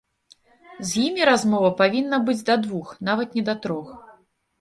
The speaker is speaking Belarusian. І з імі размова павінна быць да двух, нават не да трох.